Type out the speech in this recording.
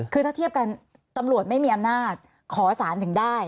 คือถ้าเทียบกันตำรวจไม่มีอำนาจขอสารถึงได้